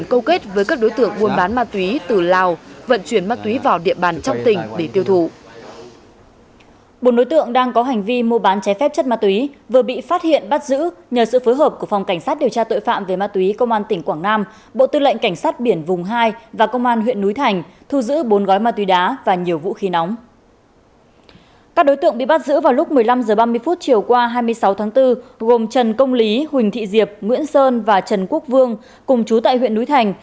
các đối tượng bị bắt giữ vào lúc một mươi năm h ba mươi phút chiều qua hai mươi sáu tháng bốn gồm trần công lý huỳnh thị diệp nguyễn sơn và trần quốc vương cùng chú tại huyện núi thành